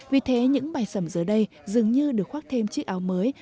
vì thế những bài sẩm giờ đây dường như được khoác thêm chiếc áo mới